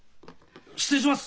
失礼します！